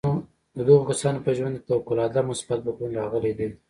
د دغو کسانو په ژوند کې فوق العاده مثبت بدلون راغلی دی